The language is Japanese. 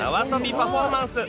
パフォーマンス